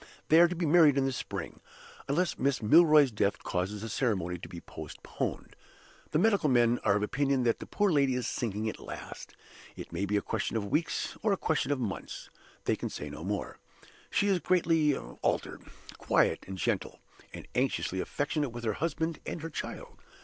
They are to be married in the spring, unless Mrs. Milroy's death causes the ceremony to be postponed. The medical men are of opinion that the poor lady is sinking at last. It may be a question of weeks or a question of months, they can say no more. She is greatly altered quiet and gentle, and anxiously affectionate with her husband and her child.